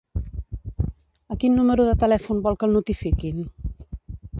A quin número de telèfon vol que el notifiquin?